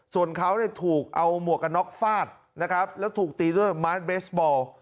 ส่วนเขาเนี่ยถูกเอาหมวกกันน็อกฟาดนะครับแล้วถูกตีด้วยไม้เบสบอล